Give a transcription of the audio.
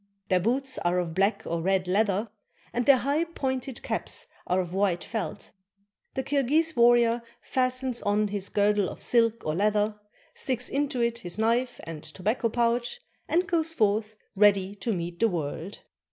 Their boots are of black or red leather, and their high, pointed caps are of white felt. The Kirghis war rior fastens on his girdle of silk or leather, sticks into it his knife and tobacco pouch, and goes forth ready to meet the world.